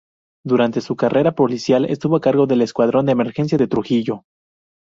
Durante su carrera policial estuvo a cargo del Escuadrón de Emergencia de Trujillo.